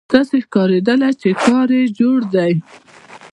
داسې ښکارېدله چې کار یې جوړ دی.